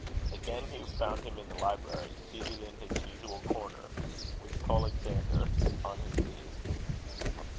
Again Hugh found him in the library, seated in his usual corner, with Polexander on his knees.